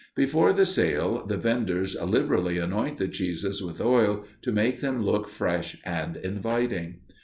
Before the sale, the venders liberally anoint the cheeses with oil to make them look fresh and inviting.